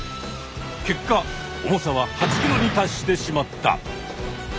結果重さは８ｋｇに達してしまった。